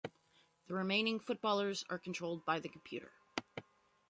The remaining footballers are controlled by the computer.